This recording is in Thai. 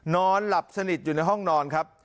นอนหลับสนิทอยู่ในห้องนอนครับ